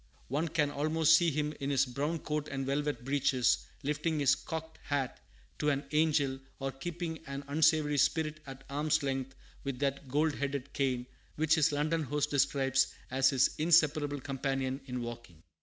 One can almost see him in his "brown coat and velvet breeches," lifting his "cocked hat" to an angel, or keeping an unsavory spirit at arm's length with that "gold headed cane" which his London host describes as his inseparable companion in walking.